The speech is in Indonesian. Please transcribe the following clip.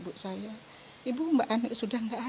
ibu saya berkata ibu mbak ani sudah tidak ada